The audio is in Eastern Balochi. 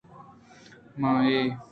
ما ایں